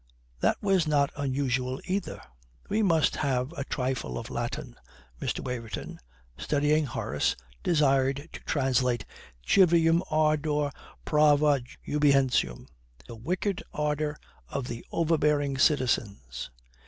That was not unusual either. We must have a trifle of Latin. Mr. Waverton, studying Horace, desired to translate, Civium ardor prava jubentium "the wicked ardour of the overbearing citizens."